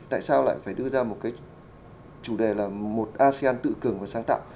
tại sao lại phải đưa ra một cái chủ đề là một asean tự cường và sáng tạo